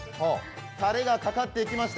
たれがかかっていきました。